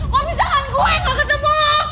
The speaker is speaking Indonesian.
kok bisa kan gue gak ketemu lo